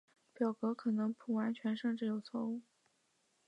表格可能不完整甚至有错误。